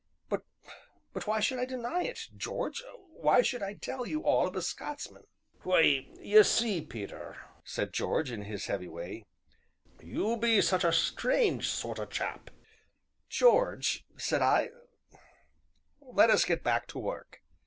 "But why should I deny it, George; why should I tell you all of a Scotsman?" "Why, y' see, Peter," said George, in his heavy way, "you be such a strange sort o' chap!" "George," said I, "let us get back to work."